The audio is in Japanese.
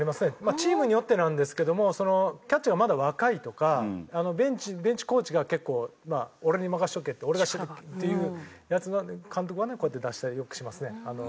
チームによってなんですけどもキャッチャーがまだ若いとかベンチベンチコーチが結構俺に任せとけって俺がっていうやつの監督はねこうやって出したりよくしますね。